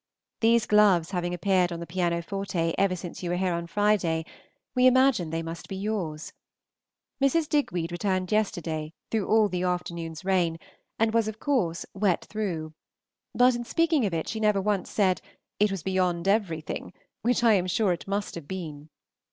These gloves having appeared on the pianoforte ever since you were here on Friday, we imagine they must be yours. Mrs. Digweed returned yesterday through all the afternoon's rain, and was of course wet through; but in speaking of it she never once said "it was beyond everything," which I am sure it must have been.